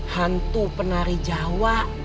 hantu penari jawa